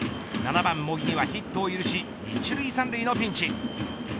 ７番茂木にはヒットを許し１塁３塁のピンチ。